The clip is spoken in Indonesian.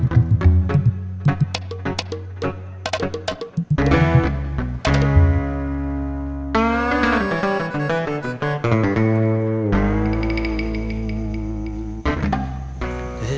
kesampean juga itu itu saya